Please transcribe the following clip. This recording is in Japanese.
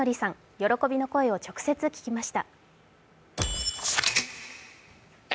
喜びの声を直接聞きました。